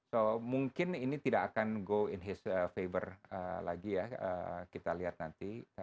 so mungkin ini tidak akan go in his favor lagi ya kita lihat nanti